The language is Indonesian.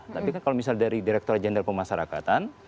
tapi kan kalau misalnya dari direktur jenderal pemasarakatan